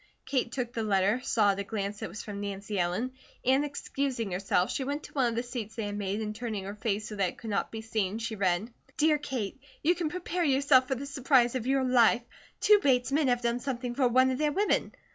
Kate took the letter, saw at a glance that it was from Nancy Ellen, and excusing herself, she went to one of the seats they had made, and turning her face so that it could not be seen, she read: DEAR KATE: You can prepare yourself for the surprise of your life. Two Bates men have done something for one of their women.